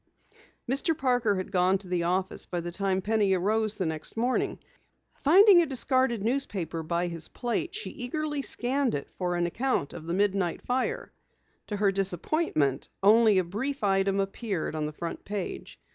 Mr. Parker had gone to the office by the time Penny arose the next morning. Finding a discarded newspaper by his plate, she eagerly scanned it for an account of the midnight fire. To her disappointment, only a brief item appeared on the front page.